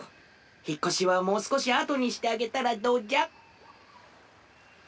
ひっこしはもうすこしあとにしてあげたらどうじゃ？